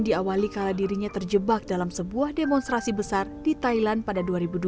diawali kala dirinya terjebak dalam sebuah demonstrasi besar di thailand pada dua ribu dua